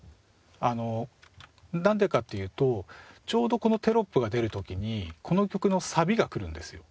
あのなんでかというとちょうどこのテロップが出る時にこの曲のサビが来るんですよ。